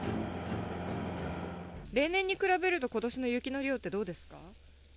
例年に比べると、ことしの雪の量ってどうですか？